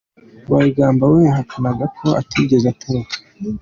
Bayigamba we yahakanaga ko atigeze atoroka.